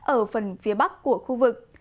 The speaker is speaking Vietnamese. ở phần phía bắc của khu vực